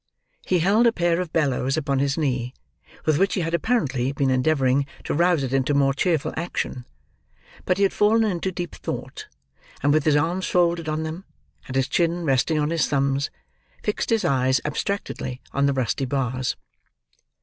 He held a pair of bellows upon his knee, with which he had apparently been endeavouring to rouse it into more cheerful action; but he had fallen into deep thought; and with his arms folded on them, and his chin resting on his thumbs, fixed his eyes, abstractedly, on the rusty bars.